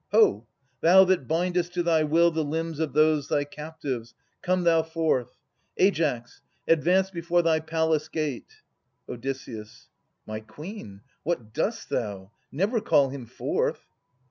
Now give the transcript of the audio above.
— Ho ! thou that bindest to thy will The limbs of those thy captives, come thou forth ! Aias ! advance before thy palace gate ! Od. My Queen ! what dost thou ? Never call him forth.